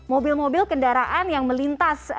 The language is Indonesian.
mobil mobil kendaraan yang melintas